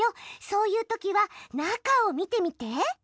そういう時は中を見てみて！